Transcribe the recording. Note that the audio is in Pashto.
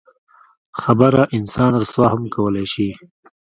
خبره انسان رسوا هم کولی شي.